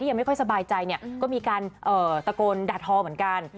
ที่ยังไม่ค่อยสบายใจก็มีการตะโกนดาดธอธรรมเหมือนกัน